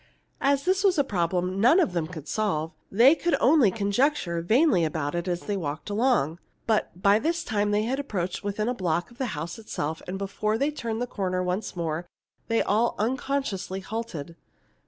As this was a problem none of them could solve, they could only conjecture vainly about it as they walked along. But by this time they had approached within a block of the house itself, and before they turned the corner once more they all unconsciously halted.